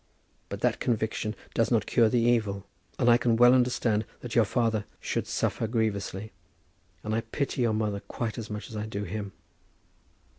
But that conviction does not cure the evil, and I can well understand that your father should suffer grievously; and I pity your mother quite as much as I do him.